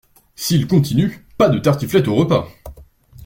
Si il continue, pas de tartiflette au repas.